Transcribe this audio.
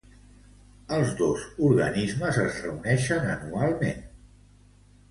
Els dos organismes es reunixen anualment.